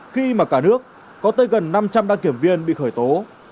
khi mà cả nước có tới gần năm trăm linh đăng kiểm viên bị khởi tố